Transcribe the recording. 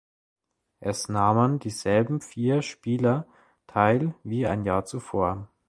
Es nahmen dieselben vier Spieler teil wie ein Jahr zuvor.